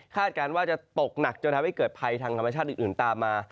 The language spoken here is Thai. การว่าจะตกหนักจนทำให้เกิดภัยทางธรรมชาติอื่นตามมา